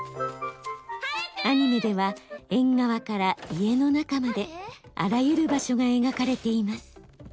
アニメでは縁側から家の中まであらゆる場所が描かれています。